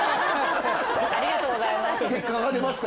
ありがとうございます。